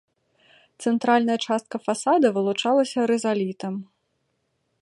Цэнтральная частка фасада вылучалася рызалітам.